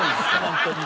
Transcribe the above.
ホントに。